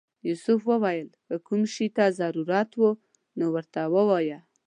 یوسف وویل که کوم شي ته ضرورت و نو راته ووایه.